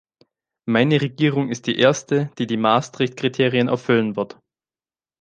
Meine Regierung ist die erste, die die Maastricht-Kriterien erfüllen wird.